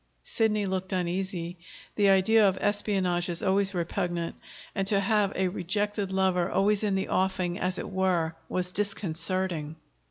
Sidney looked uneasy. The idea of espionage is always repugnant, and to have a rejected lover always in the offing, as it were, was disconcerting.